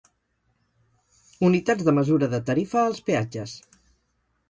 Unitats de mesura de tarifa als peatges.